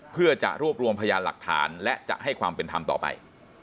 เพื่อจะรวบรวมพยานหลักฐานและจะให้ความเป็นธรรมต่อไป